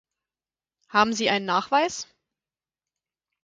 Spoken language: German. Haben sie einen Nachweis?